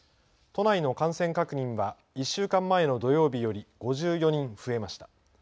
都内の感染確認は１週間前の土曜日より５４人増えました。